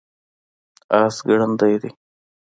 اس ګړندی دی